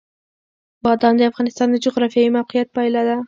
بادام د افغانستان د جغرافیایي موقیعت پایله ده.